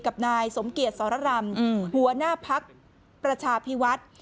กับนายสมเกียรติสรรรรมหัวหน้าภักร์ประชาภิวัฒน์